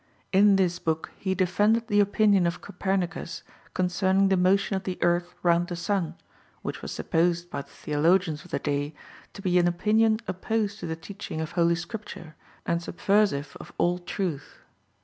In this book he defended the opinion of Copernicus concerning the motion of the earth round the sun, which was supposed by the theologians of the day to be an opinion opposed to the teaching of Holy Scripture and subversive of all truth.